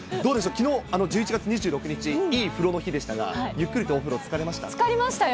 きのう、１１月２６日、いい風呂の日でしたが、ゆっくりとお風呂、つかりましたよ。